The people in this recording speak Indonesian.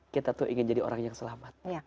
kita tuh ingin jadi orang yang selamat